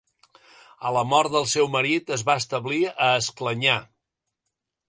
A la mort del seu marit es va establir a Esclanyà.